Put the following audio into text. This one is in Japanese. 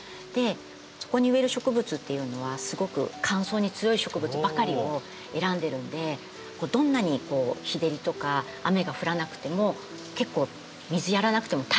そこに植える植物っていうのはすごく乾燥に強い植物ばかりを選んでるんでどんなに日照りとか雨が降らなくても結構水やらなくても耐えてくれるんですよ。